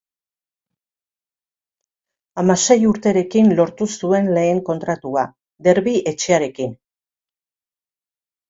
Hamasei urterekin lortu zuen lehen kontratua, Derbi etxearekin.